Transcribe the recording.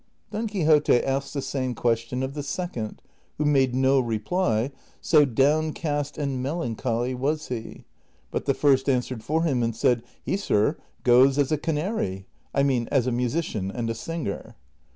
Don Quixote asked the same question of the second, who made no reply, so downcast and melancholy was he ; but the lirst answered for him, and said, " He, sir, goes as a canary, I mean as a musician and a singer."